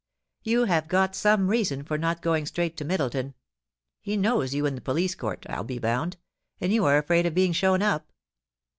You have got some reason for not going straight to Middleton. He knows you in the police court, I'll be bound, and you are afraid of being shown up.